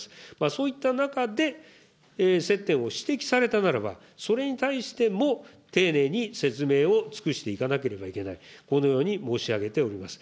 そういった中で、接点を指摘されたならば、それに対しても丁寧に説明を尽くしていかなければいけない、このように申し上げております。